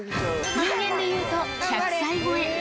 人間でいうと１００歳超え。